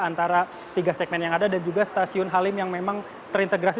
antara tiga segmen yang ada dan juga stasiun halim yang memang terintegrasi